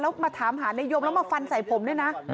แล้วมาถามหานายโยมแล้วมาฟันใส่ผมด้วยนะ